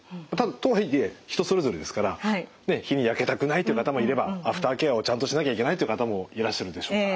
とはいえ人それぞれですから日に焼けたくないという方もいればアフターケアをちゃんとしなきゃいけないという方もいらっしゃるでしょうから。